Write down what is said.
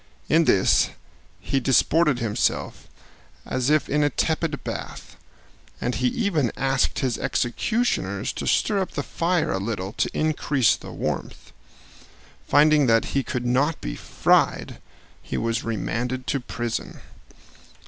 In this he disported himself as if in a tepid bath, and he even asked his executioners to stir up the fire a little to increase the warmth. Finding that he could not be fried, he was remanded to prison.